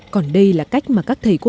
còn đây là cách mà các thầy cô giáo